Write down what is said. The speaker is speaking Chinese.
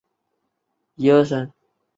全景廊街。